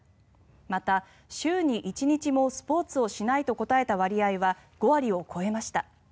また、週に１日もスポーツをしないと答えた割合は５割を超えました。